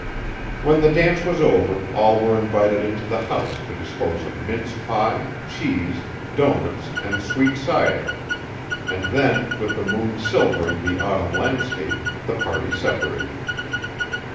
When the dance was over all were invited into the house to dispose of mince pie, cheese, doughnuts and sweet cider, and then, with the moon silvering the autumn landscape, the party separated.